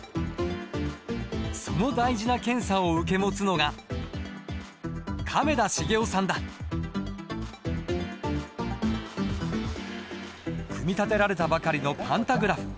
その大事な検査を受け持つのが組み立てられたばかりのパンタグラフ。